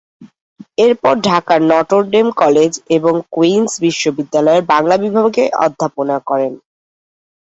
এরপর ঢাকার Notre Dame college এবং কুইন্স বিশ্ববিদ্যালয়ে বাংলা বিভাগে অধ্যাপনা করেন।